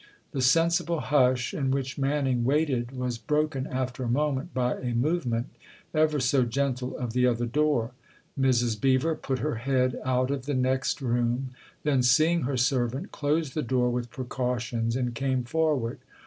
The sensible hush in which Man ning waited was broken after a moment by a movement, ever so gentle, of the other door. Mrs. Beever put her head out of the next room ; then, seeing her servant, closed the door with precautions and came forward.